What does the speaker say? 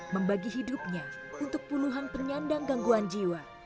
membagi hidupnya untuk puluhan penyandang gangguan jiwa